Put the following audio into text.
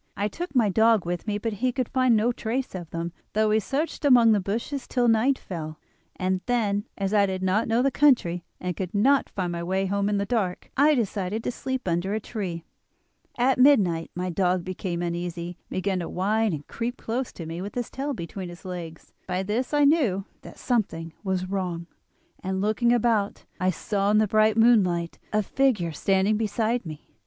I took my dog with me, but he could find no trace of them, though we searched among the bushes till night fell; and then, as I did not know the country and could not find my way home in the dark, I decided to sleep under a tree. At midnight my dog became uneasy, and began to whine and creep close to me with his tail between his legs; by this I knew that something was wrong, and, looking about, I saw in the bright moonlight a figure standing beside me.